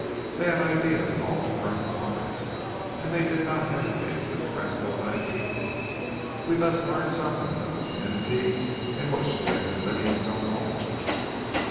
They had ideas on all current topics, and they did not hesitate to express those ideas. We thus learned something of the community in which we had been living so long.